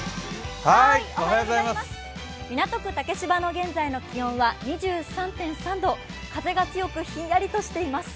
港区竹芝の現在の気温は２３．３度、風が強く、ひんやりとしています。